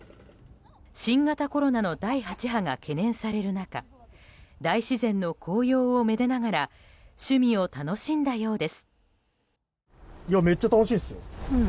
新型コロナの第８波が懸念される中大自然の紅葉を愛でながら趣味を楽しんだようです。